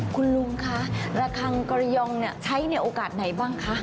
คุณลุงคะระคังกรยองใช้ในโอกาสไหนบ้างคะ